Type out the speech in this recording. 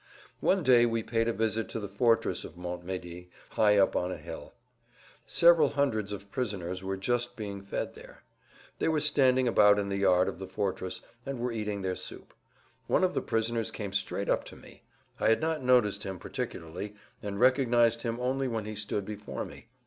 One day we paid a visit to the fortress of Montmédy high up on a hill. Several hundreds of prisoners were just being fed there. They were standing about in the yard of the fortress and were eating their soup. One of the prisoners came straight up to me. I had not noticed him particularly, and recognized him only when he stood before me.